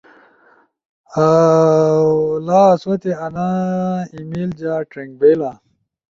و لا آسوتے انئی ای میل جا ڇوئنگ بئیلا۔